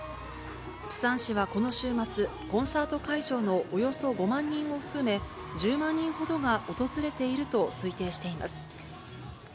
プサン市はこの週末、コンサート会場のおよそ５万人を含め、１０万人ほどが訪れていると推定しています。